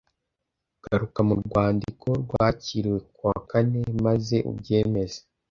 garuka mu rwandiko rwakiriwe kuwa kane maze ubyemeze